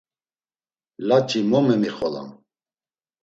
Laç̌i mo memixolam.